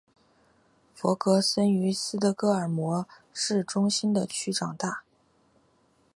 弗格森于斯德哥尔摩市中心的区长大。